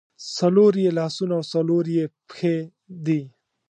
څلور یې لاسونه او څلور یې پښې دي.